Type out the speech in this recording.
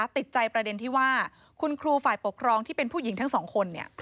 ติดใจประเด็นที่ว่าคุณครูฝ่ายปกครองที่เป็นผู้หญิงทั้งสองคน